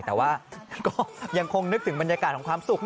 แต่ว่าก็ยังคงนึกถึงบรรยากาศของความสุข